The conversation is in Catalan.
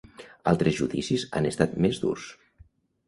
Altes judicis han estat més durs.